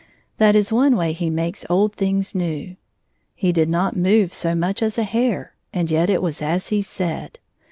That is one way he makes old things new. He did not move so much as a hair, and yet it was as he said.